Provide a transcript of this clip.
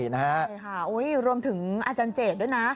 ใช่ค่ะรวมถึงอาจารย์เจดด้วยนะ